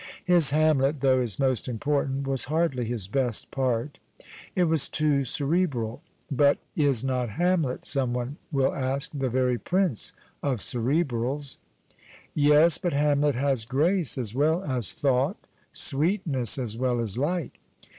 His Hamlet, though his most important, was hardly his best part. It was too cerebral. J>ut is not Hamlet, some one will ask, the very prince of cerebrals ? Yes, but Hamlet has grace as well as thought, sweetness as well as light.